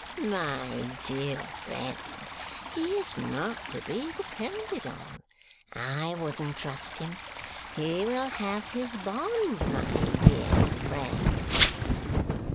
"My dear friend, he is not to be depended on. I wouldn't trust him. He will have his bond, my dear friend."